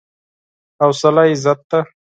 حوصله عزت ده.